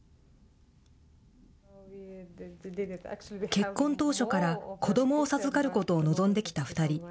結婚当初から、子どもを授かることを望んできた２人。